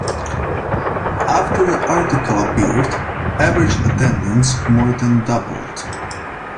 After the article appeared, average attendance more than doubled.